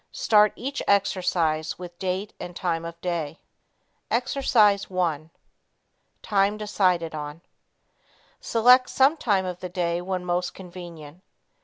Start each exercise with date and time of day. Exercise 1 Time decided on. Select some time of the day when most convenient.